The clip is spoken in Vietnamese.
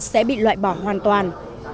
sẽ bị loại bỏ hoàn toàn